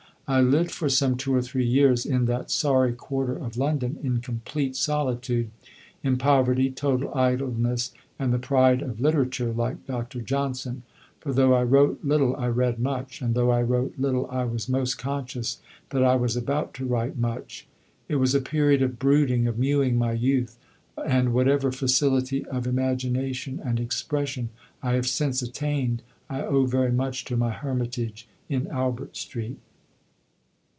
I lived for some two or three years in that sorry quarter of London in complete solitude "in poverty, total idleness and the pride of literature," like Doctor Johnson, for though I wrote little I read much, and though I wrote little I was most conscious that I was about to write much. It was a period of brooding, of mewing my youth, and whatever facility of imagination and expression I have since attained I owe very much to my hermitage in Albert Street.